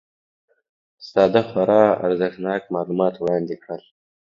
ساده خورا ارزښتناک معلومات وړاندي کړل